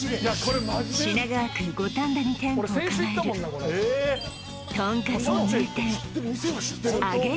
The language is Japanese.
品川区五反田に店舗を構えるとんかつの名店あげ